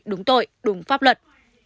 đúng tội đúng pháp luật